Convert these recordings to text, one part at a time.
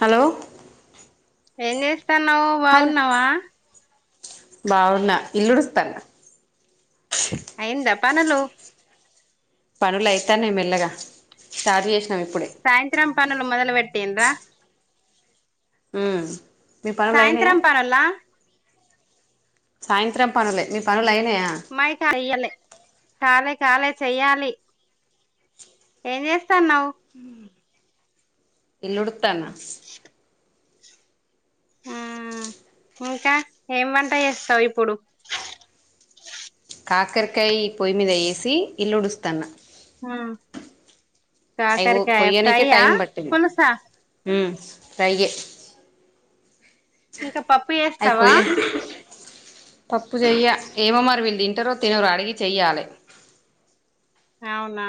hello ఏం చేస్తన్నావు బాగున్నావా బావున్నా ఇల్లుడుస్తన్న అయిందా పనులు పనులు అయితా నాయి మెల్లగా తది ఎస్ సాయంత్రం పనులు మొదల పెట్టిండ్ర ఉమ్ మీ పనులైనయా సాయంత్రం పనులా సాయంత్రం పనులే మీ పనులు అయి మై కాడ ఇయ్యలే కాలే కాలే చెయాలి ఎన్ చేస్ ఇల్లు ఉడుతనా ఇంకా ఏం వంట చేస్తావు ఇప్పుడు కాకరకాయ పొయ్యి మీద యేసి ఇల్లుడుస్తన్న అయ్యో కాకరకాయ కొయ్యనికే ఫ్రైయా టైం పట్టింది పులుసా ఉమ్ ఫ్రైయే ఇంకా పప్పు అయి చేస్తావా కొయ్య పప్పు చెయ్య ఏమో మరి వీళ్ళు తింటరో తినరు అడిగి చెయ్యాలి అవునా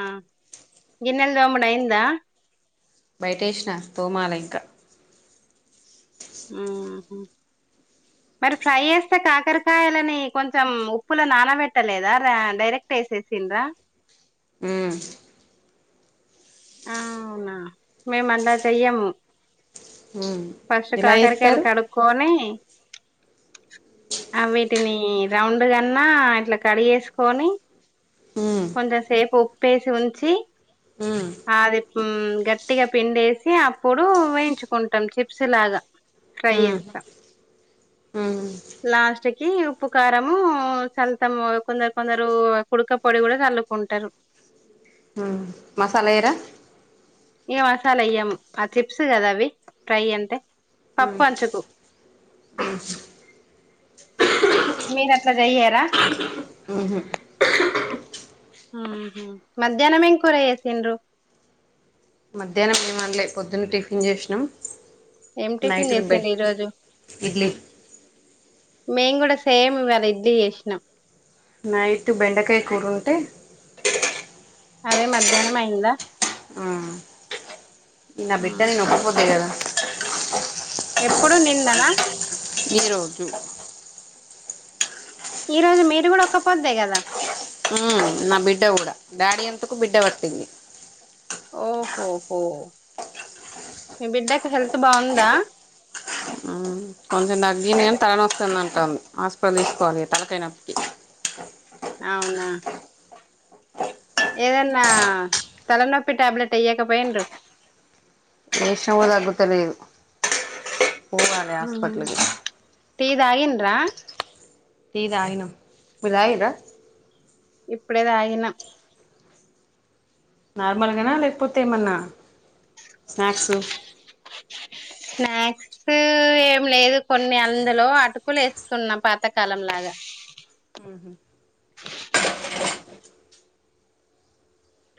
గిన్నెల్ తోముడు అయిందా బయటేసిన తోమాల ఇంక ఉ హు మరి ఫ్రై చేస్తే కాకరకాయలని కొంచెం ఉప్పులో నానబెట్టలేదా డైరెక్ట్ వేసేసిండ్రు ఉ అ అవునా మేము అంతా చెయ్యము ఉమ్ ఫస్ట్ ఎలా కాకరకాయలు చేస్తారు కడుక్కకొని ఆ వీటిని రౌండ్ అన్న ఇట్లా కట్ చేసుకుని ఉమ్ కొంచెం సేపు ఉప్పేసి ఉంచి ఊ అది గట్టిగా పిండేసి అప్పుడు వేయించుకుంటాం చిప్స్ లాగా ఫ్రై ఉమ్ చేస్తాం లాస్ట్ కి ఉప్పు కారము చల్తాము కొందరు కొందరు కుడుక పొడి కూడా చల్లుకుంటారు మసాలా ఎయ్యరా ఇక మసాలా ఇయ్యము ఆ చిప్స్ కదా అవి ఫ్రై అంటే పప్పు అంచుకు తుమ్మ సౌండ్ మీరు అట్లా చేయరా ఉ హ మధ్యాహ్న మేం కూర చేసిండు మధ్యాహ్నం ఏమన్లే పొద్దున్న టిఫిన్ చేసినాం ఏం టిఫిన్ నైట్ బె చేసాడి ఈరోజు ఇడ్లీ మేం కూడా సేమ్ ఇవాళ ఇడ్లీ చేసినాం నైట్ బెండకాయ కూరుంటే అదే మధ్యాహ్నం అయిందా నా బిడ్డ నేను ఒక్కపొద్దు కదా ఎప్పుడు నిన్నన ఈ రోజు ఈ రోజు మీరు కూడా ఒక్క పోద్దే కదా ఆ నా బిడ్డ కూడా డాడి అందుకు బిడ్డ పడతది ఓహోహో మీ బిడ్డకు హెల్త్ బాగుందా కొంచెం తగ్గినని తలనొస్తుంద అంటుంది హాస్పిటల్ తీసుకోవాలి తల కాయనొప్పికి అ అవునా ఏదన్నా తలనొప్పి టాబ్లెట్ అయ్యాకపోయిండు చేసిన కూడా తగ్గుతలేదు న్ పోవాలి హాస్పిటల్ కు టీ తాగిండ్రా టీ తాగిన మీరు తాగిండ్రా ఇప్పుడేదాగిన నార్మల్గానా లేకపోతే ఏమన్నా స్నాక్స్ స్నాక్స్ ఏం లేదు కొన్ని అందులో అటుకులు వేసుకున్నాం పాతకాలం లాగా బోలో సౌండ్ ఆహా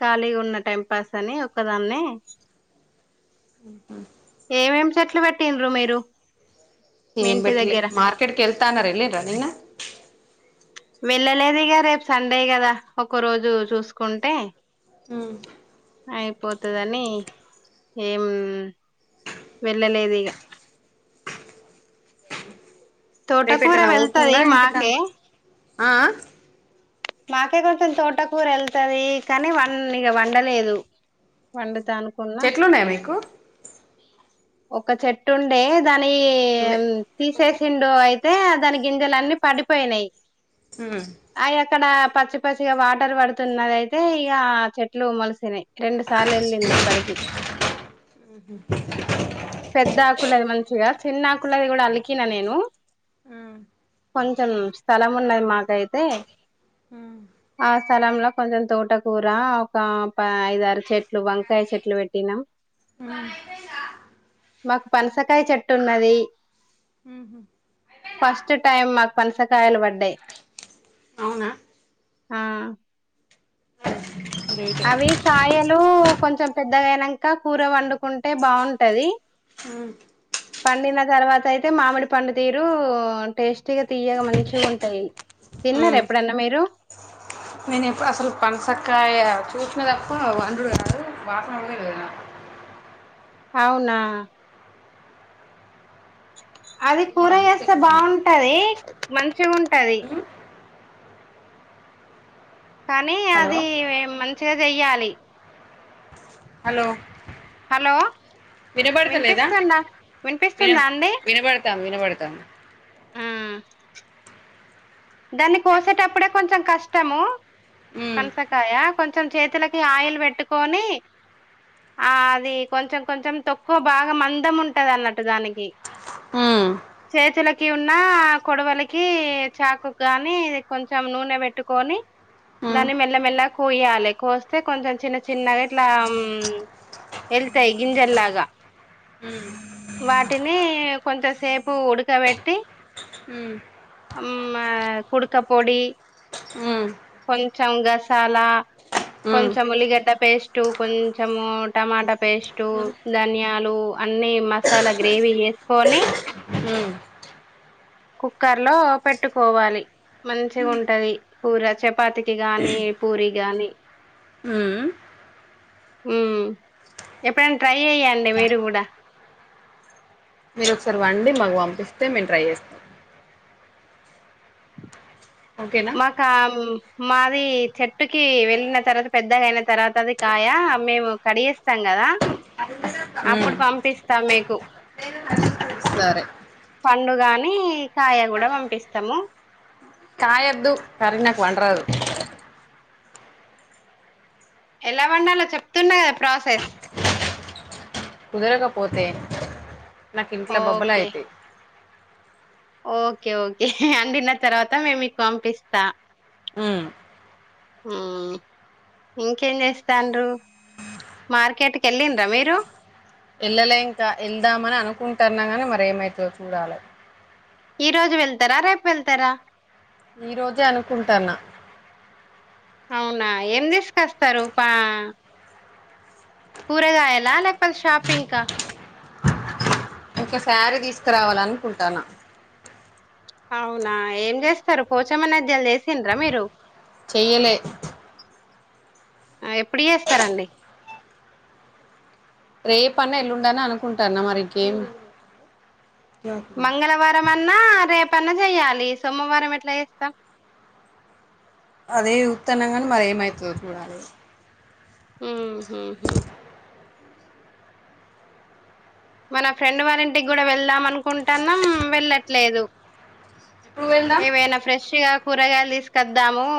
ఖాళీగా ఉన్న టైం పాస్ అని ఒక్కదాన్నే ఏమేం చెట్లు పెట్టిండ్రు మీరు మీ ఏం ఇంటి పెట్టలే దగ్గర మార్కెట్ క వెళ్తాఅనారు వెళ్ళిండ్రా నిన్న వెళ్ళలేదుగా రేపు సండే కదా ఒక రోజు చూసుకుంటే ఉ అయిపోతుదని ఏం వెళ్ళలేదు ఇక రేపు తోటకూర ఎటైనా వెళ్తది పోతుండ్రా ఇంటికాడనే మాకే ఉంటుండ్రా ఆ ఆ మాకే కొంచెం తోటకూర వెళ్తుది కానీ ఇక వండలేదు అనుకున్నా చెట్లున్నాయి మీకు ఒక చెట్టు ఉండే దాని నువ్వే తీసేసిండు అయి అతే దాని గింజలన్ని పడిపోయినాయి ఉమ్ ఆయన అక్కడ పచ్చి పచ్చిగా వాటర్ పడుతున్నది అయితే ఇక చెట్లు మలిసినయి రెండు సార్లు వెళ్ళింది ఇప్పటికి పెద్ద ఆకులది మంచిగా చిన్న ఆకులది కూడా అలికినా నేను కొ కొంచెం స్థలం ఉన్నది మాకైతే ఆ స్థలంలో కొంచెం తోటకూర ఒక ప ఐద ఆరు చెట్లు వంకాయ చెట్లు పెట్టినాం అ మాకు పనసకాయ చెట్టు ఉన్నది ఫస్ట్ టైం మాకు పసకాయలు పడ్డాయి అవునా ఆ గ్రేట్ అవి కాయలు కొంచెం పెద్దగానాక కూర వండుకుంటే బాగుంటది ఆ పండిన తర్వాత అయితే మామిడి పండుతీరు టేస్టీగా తీయగా మంచిగా ఉంటాయి తిన్న ఎప్పుడన్నా మీరు నేను ఎప్పుడు అసలు పనసక్కాయ చూసిన తప్ప వండుడు కాదు వాతవమే లే అవునా అది కూర వేస్తే నాకు బాగుంటది మంచి ఉంటది కానీ హలో అది మంచిగా చెయ్యాలి హలో హలో వినబడతలేదా వినిపిస్తుంద విన వినిపిస్తుందా అండి వినబడతాంది వినబడతాంది ఆ దాన్ని కోసేటప్పుడే కొంచెం కష్టము మ్మ్ పనసకాయ కొంచెం చేతులకి ఆయిల్ పెట్టుకొని ఆ అది కొంచెం కొంచెం తక్కువ బాగా మందం ఉంటది అన్నట్టు దానికి మ్మ్ చేతులకి ఉన్నా కొడవలకి చాకు కాగానీది కొంచెం నూనె పెట్టుకొని మ్మ్ దాన్ని మెల్లమెల్ల కోయ్యాలి కోస్తే కొంచెం చిన్న చిన్నగా ఇట్లా ఎళ్తాయి గిజెల్గా అ వాటిని కొంతసేపు ఉడకబెట్టి ఆ కుడుకపోడి మ్మ్ కొంచెం గసాలా మ్మ్ మ్మ్ కొంచం ఉల్లిగడ్డ పేస్ట్ కొంచెము టమాటా పేస్ట్ ధనియాలు అన్ని మసాలా గ్రేవీ వేసుకొని హ కుక్కర్ లో పెట్టుకోవాలి మంచి ఉంటది కూర చె పాతికి గాని పూరి గాని హు ఉ ఎప్పుడైనా ట్రై అయ్యండి మీరు కూడా మీరు ఒకసారి వండి మాకు పంపిస్తే మేము ట్రై చేస్తాం ఓకేనా మాకా మాది చెట్టుకి వెళ్ళిన తర్వాత పెద్దగా అయిన తర్వాత అది కాయ మేము కడిస్తాం కదా ఉమ్ అప్పుడు పంపిస్తా మీకు సరే పండు గాని కాయ కూడా పంపిస్తాము కాయద్దు సారీ నాకు వండరాదు ఎలా వండాలో చెప్తున్నా కదా ప్రాసెస్ కుదరకపోతే నాకు ఇంట్ల బబ్బలా ఓకే అయితయి ఓకే ఓకే అండిన తర్వాత మే మీకు పంపిస్తా ఊ ఆ ఇంకేం చేస్తాండ్రు మార్కెట్ కు వెళ్లిండ్రా మీరు వెళ్ళలే ఇంకా వెళ్దామని అనుకుంటున్నా గాని మరి ఏమైతదో చూడాలి ఈ రోజు వెళ్తారా రేపు వెళ్తారా ఈ రోజే అనుకుంటన్నా అవునా ఏం తీసుకస్తారు పా కూరగాయలా లేకపోతే షాపింగ్ కా ఒక శారీ తీసుకురావాలనుకుంటన అవునా ఏం చేస్తారు పోచమ నద్యాలు చేసిండ్రా మీరు చేయలే ఆ ఎప్పుడు చేస్తారండి రేపన్నా ఎల్లుండన అనుకుంటన్న మరికేం మంగళవారం అన్నా రేపు పన్న చెయ్యాలి సోమవారం ఎట్లా చేస్తామ్ అదే ఉత్తన్నగనీ మరి ఏమయితదో చూడాలి ఇగ ఊ హూ హూ మన ఫ్రెండ్ వాళ్ల ఇంటికి కూడా వెళ్దాం అనుకుంటున్నాం వెళ్ళట్లేదు ఎప్పుడు వెళ్దాం ఏవైనా ఫ్రెష్గా కూరగాయలు తీసుకొద్దాము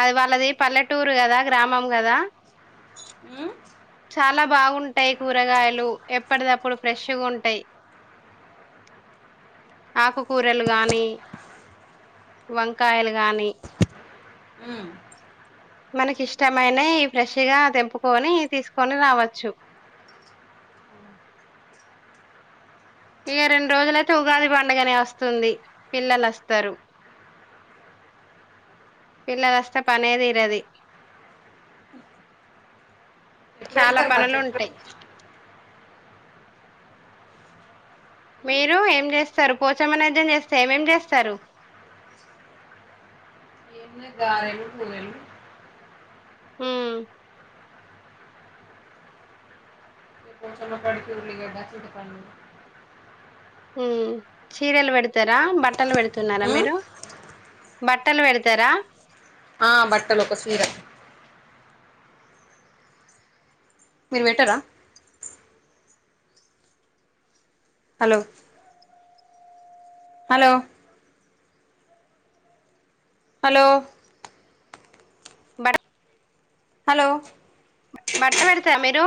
అది వాళ్ళది పల్లెటూరు కదా గ్రామం కదా ఊ చాలా బాగుంటాయి కూరగాయలు ఎప్పటిదప్పుడు ఫ్రెష్గా ఉంటాయి ఆకుకూరలు గాని వంకాయలు గాని ఉమ్ మనకిష్టమైన ఫ్రెష్గా తెంపుకొని తీసుకొని రావచ్చు ఇక రెండు రోజులైతే ఉగాది పండుగనే వస్తుంది పిల్లలు వస్తారు పిల్లలస్తే పనే తీరది ఎప్పుడు చాలా వెళ్తారు మరి పనులుంటయి చెప్పండి ఉమ్ మీరు ఏం చేస్తారు పోచమ నైద్యం చేస్తే ఏమేం చేస్తారు ఇంగ గారలు బూరలు ఊ ఇగ పోచమ కాడికి ఉల్లిగడ్డ చితపను ఊ చీరలు పెడతారా బట్టలు పెడుతున్నారా ఉమ్ మీరు బట్టలు పెడతారా ఆ బట్టలు ఒక సీర మీరు పెట్టరా హలో హలో హలో బడ్ హలో బట్ట పెడతా మీరు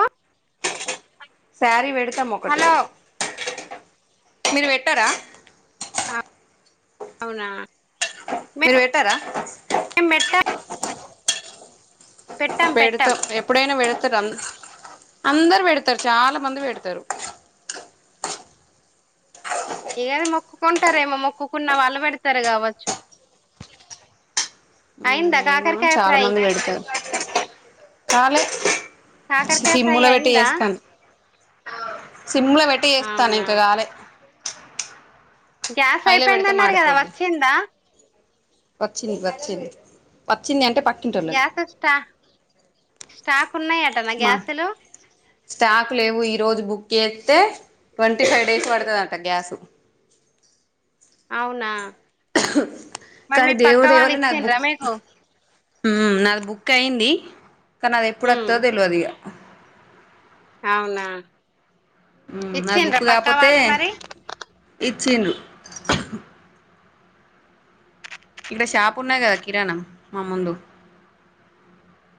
సారీ వెడుతం ఒకటి హలో మీరు పెట్టరా అవునా మీరు పెట్టరా ఏం బెట్ట పెట్టాం పెడతవు ఎప్పుడైనా పేడత అందరు పెడతారు చాలా మంది పెడతారు ఇగద మొక్కుకుంటారేమో మొక్కుకున్న వాళ్ళు పెడతారు కావచ్చు ఉ అయిందా ఏమోగానీ కాకరకాయ చాలా ఫ్రై మంది పెడతారు కాలే కాకరకాయ ఫ్రై సిమ్ములో పెట్టి అయిందా చేస్తన్న సిమ్ లో పెట్టి చేస్తన్న అవునా ఇంకా కాలే గ్యాస్ హైలో పెడితే అయిపోయిందన్నారు కదా మాడిపోద్ది వచ్చిందా వచ్చింది వచ్చింది వచ్చింది అంటే పక్కింటోళ్ళది గ్యాస్ స్టా స్టాక్ ఉన్నాయట నా మా గ్యాసులు స్టాక్ లేవు ఈ రోజు బుక్ చేస్తే ట్వంటీ ఫైవ్ డేస్ పడుతదంట గ్యాసు అవునా మరి కానీ మీ పక్క దేవుడు దయ వాళ్ళు వల్ల నాకు ఇచ్చిండ్రా బుక్ మీకు ఉ నాది బుక్ అయ్యింది కానీ అది ఎప్పుడు ఉమ్ వత్తాదో తెలువదిగ అవునా నాకు ఇచ్చిండ్రా బుక్ పక్క లేపోతే వాళ్ళు మరి ఇచ్చిండు ఇక్కడ షాపు ఉన్నాది కదా కిరాణ మా ముందు